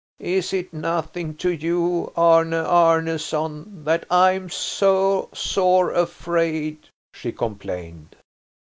"Is it nothing to you, Arne Arneson, that I am so sore afraid?" she complained.